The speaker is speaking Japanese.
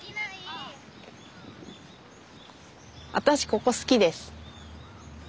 ここ好きです。